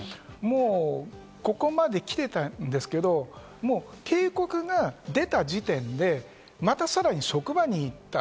もうここまで来てたんですけど、警告が出た時点でまたさらに職場に行った。